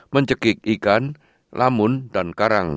mencekik ikan lamun dan karang